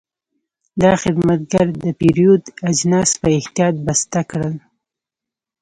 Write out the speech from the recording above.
دا خدمتګر د پیرود اجناس په احتیاط بسته کړل.